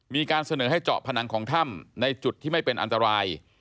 มีการเสนอให้เจาะผนังของถ้ำในจุดที่ไม่เป็นอันตราย